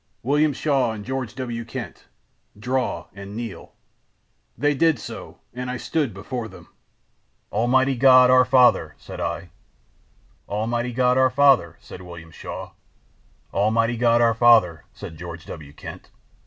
William Shaw and George W. Kent, draw and kneel.' "They did so and I stood before them. "'Almighty God, our Father,' said I. "'Almighty God, our Father,' said William Shaw. "'Almighty God, our Father,' said George W. Kent.